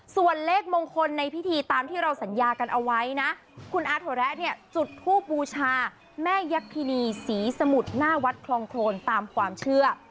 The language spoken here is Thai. ส่วนเลขมงคลในพิธีตามที่เราสัญญากันเอาไว้นะคุณอาถวแระเนี่ยจุดทูบบูชาแม่ยักษินีศรีสมุทรหน้าวัดคลองโครนตามความเชื่อ